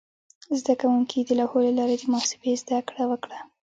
زده کوونکي د لوحو له لارې د محاسبې زده کړه وکړه.